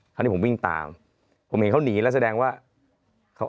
คราวนี้ผมวิ่งตามผมเห็นเขาหนีแล้วแสดงว่าเขา